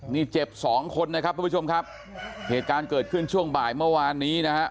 นี่เจ็บสองคนนะครับทุกผู้ชมครับเหตุการณ์เกิดขึ้นช่วงบ่ายเมื่อวานนี้นะฮะ